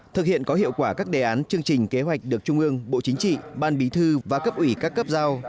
thực hiện có hiệu quả các đề án chương trình kế hoạch được trung ương bộ chính trị ban bí thư và cấp ủy các cấp giao